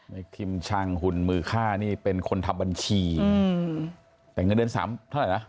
คิมช่างหุ่นมือฆ่านี่เป็นคนทำบัญชีแต่เงินเดือนสามเท่าไหร่นะ